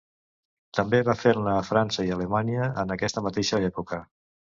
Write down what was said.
També va fer-ne a França i a Alemanya en aquesta mateixa època.